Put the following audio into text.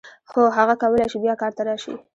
هو هغه کولای شي بیا کار ته راشي.